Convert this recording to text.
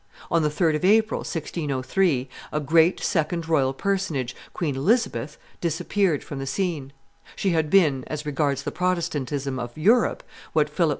On the 3d of April, 1603, a second great royal personage, Queen Elizabeth, disappeared from the scene. She had been, as regards the Protestantism of Europe, what Philip II.